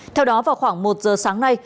theo đó vào khoảng một giờ sáng nay